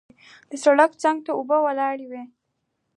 د سړک څنګ ته اوبه ولاړې وې.